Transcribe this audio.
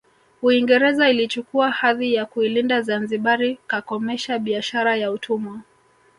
Uingereza ilichukua hadhi ya kuilinda Zanzibari kakomesha biashara ya utumwa